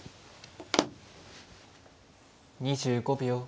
２５秒。